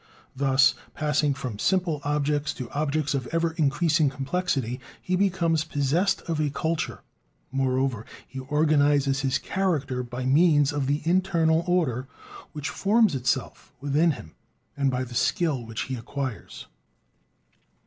Thus, passing from simple objects to objects of ever increasing complexity, he becomes possessed of a culture; moreover, he organizes his character by means of the internal order which forms itself within him, and by the skill which he acquires.